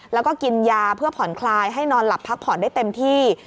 แล้วก็กินยาเพื่อผ่อนคลายให้นอนหลับพักผ่อนได้เต็มที่